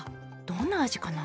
どんな味かな？